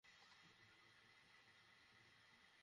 হাতে ছিল বর্শা, তরবারি ছিল কোষবদ্ধ।